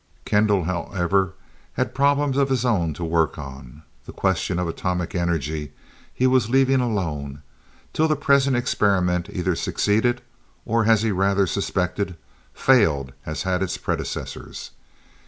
Kendall, however, had problems of his own to work on. The question of atomic energy he was leaving alone, till the present experiment either succeeded, or, as he rather suspected, failed as had its predecessors.